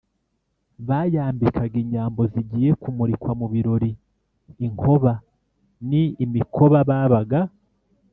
bayambikaga inyambo zigiye kumurikwa mu birori inkoba ni imikoba babaga